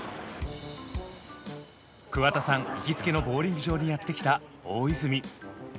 桑田さん行きつけのボウリング場にやって来た大泉。